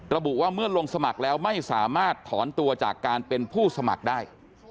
ระบุว่าเมื่อลงสมัครแล้วไม่สามารถถอนตัวจากการเป็นผู้สมัครได้